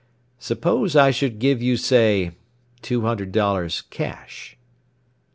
"Suppose I should give you, say two hundred dollars, cash?"